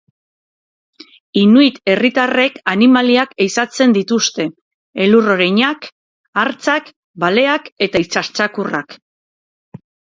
Inuit herritarrek animaliak ehizatzen dituzte: elur-oreinak, hartzak, baleak eta itsas txakurrak.